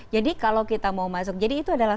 jadi kalau kita mau masuk jadi itu adalah